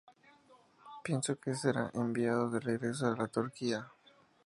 Pienso que será enviado de regreso a la Turquía.